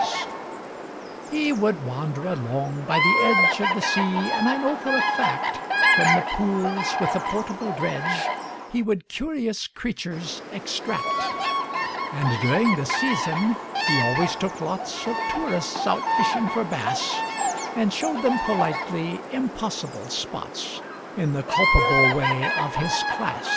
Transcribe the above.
He would wander along by the edge Of the sea, and I know for a fact From the pools with a portable dredge He would curious creatures extract: And, during the season, he always took lots Of tourists out fishing for bass, And showed them politely impossible spots, In the culpable way of his class.